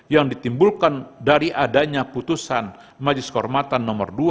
yang ditimbulkan dari adanya putusan majlis kehormatan nomor dua